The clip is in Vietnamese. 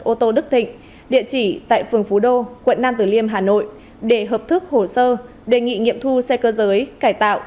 ô tô đức thịnh địa chỉ tại phường phú đô quận nam tử liêm hà nội để hợp thức hồ sơ đề nghị nghiệm thu xe cơ giới cải tạo